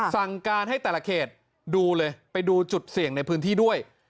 สั่งการให้แต่ละเขตดูเลยไปดูจุดเสี่ยงในพื้นที่ด้วย